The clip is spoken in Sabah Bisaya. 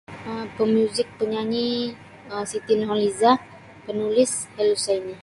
Pamuzik panyanyi Siti Nurhalizah penulis Hael Husaini.